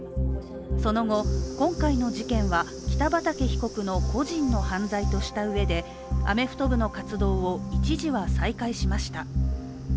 その後、今回の事件は北畠被告の個人の犯罪としたうえでアメフト部の活動を一時は再開しました。